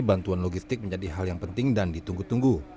bantuan logistik menjadi hal yang penting dan ditunggu tunggu